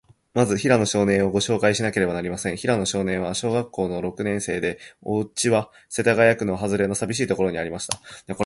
まず、平野少年を、ごしょうかいしなければなりません。平野少年は、小学校の六年生で、おうちは、世田谷区のはずれの、さびしいところにありました。